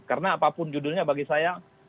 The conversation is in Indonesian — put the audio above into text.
karena apapun judulnya bagi saya